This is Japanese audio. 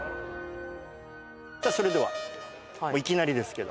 さあそれではいきなりですけど。